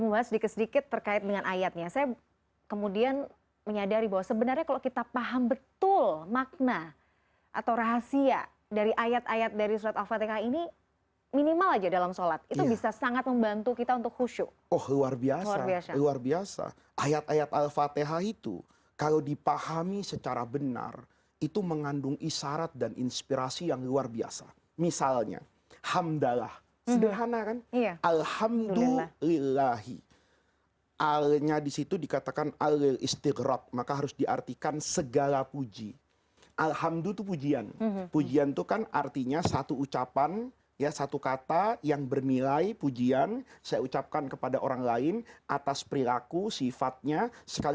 baik kita akan lanjutkan pada segmen berikutnya